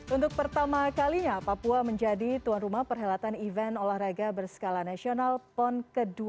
untuk pertama kalinya papua menjadi tuan rumah perhelatan event olahraga berskala nasional pon ke dua puluh